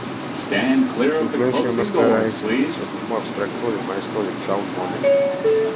Su influencia más clara es el impresionismo abstracto del maestro Claude Monet.